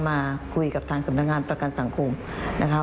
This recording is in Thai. มาคุยกับทางสำนักงานประกันสังคมนะคะ